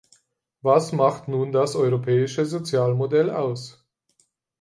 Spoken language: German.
Was macht nun das europäische Sozialmodell aus?